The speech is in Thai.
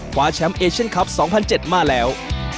คว้าแชมป์เอเชียนคลับ๒๐๐๗มาแล้ว